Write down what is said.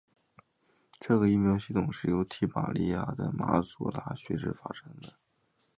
这个音标系统是由提比哩亚的马所拉学士发展成的。